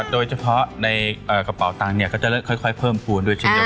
โดยเฉพาะในกระเป๋าตังจะเริ่มเพิ่มคูณด้วยที่เดียวกัน